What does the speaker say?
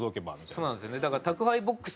そうなんですよね。